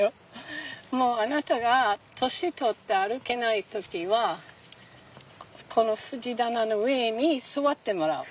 「もうあなたが年取って歩けない時はこの藤棚の上に座ってもらう」。